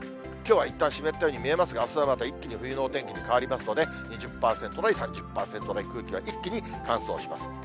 きょうはいったん湿ったように見えますが、あすはまた一気に冬のお天気に変わりますので、２０％台、３０％台、空気は一気に乾燥します。